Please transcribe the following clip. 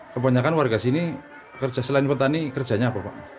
kebanyakan warga sini kerja selain petani kerjanya apa pak